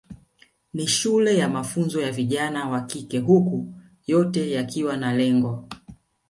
Ni shule ya mafunzo ya vijana wa kike huku yote yakiwa na lengo